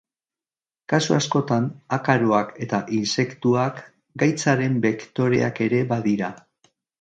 Kasu askotan akaroak eta intsektuak gaitzaren bektoreak ere badira.